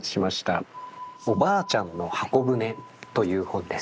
「おばあちゃんのはこぶね」という本です。